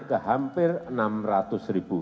ke hampir enam ratus ribu